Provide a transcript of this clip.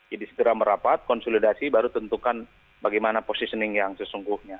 jadi segera merapat konsolidasi baru tentukan bagaimana positioning yang sesungguhnya